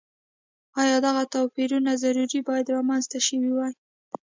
ایا دغه توپیرونه ضرور باید رامنځته شوي وای.